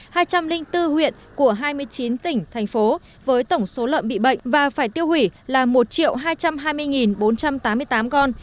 hai trăm linh bốn huyện của hai mươi chín tỉnh thành phố với tổng số lợn bị bệnh và phải tiêu hủy là một hai trăm hai mươi bốn trăm tám mươi tám con